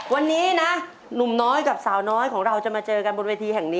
วันนี้นะหนุ่มน้อยกับสาวน้อยของเราจะมาเจอกันบนเวทีแห่งนี้